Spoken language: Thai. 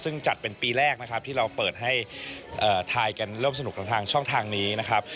ซึ่งจัดเป็นปีแรกนะครับที่เราเปิดให้ทายกันร่วมสนุกกับทางช่องทางนี้นะครับ